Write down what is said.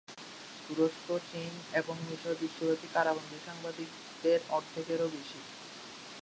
তুরস্ক, চীন এবং মিশর বিশ্বব্যাপী কারাবন্দী সাংবাদিকদের অর্ধেকেরও বেশি।